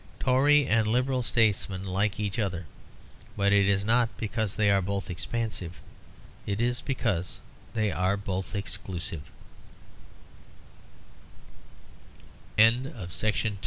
Tory and Liberal statesmen like each other, but it is not because they are both expansive; it is because they are both exclusi